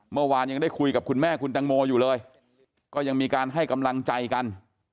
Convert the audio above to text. เมื่อวานยังได้คุยกับคุณแม่คุณตังโมอยู่เลยก็ยังมีการให้กำลังใจกัน